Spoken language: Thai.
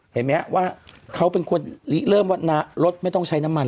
เห็นไหมครับว่าเขาเป็นคนเริ่มว่ารถไม่ต้องใช้น้ำมัน